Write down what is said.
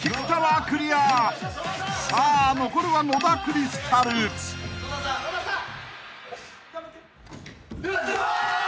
［さあ残るは野田クリスタル］やった！